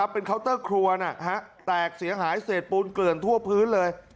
เป็นเคาน์เตอร์ครัวแตกเสียหายเศษปูนเกลื่อนทั่วพื้นเลย